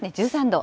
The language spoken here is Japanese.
１３度。